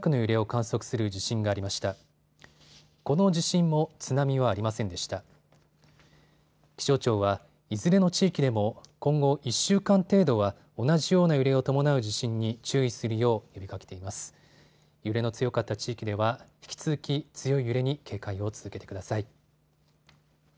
揺れの強かった地域では引き続き強い揺れに警戒を続けてください。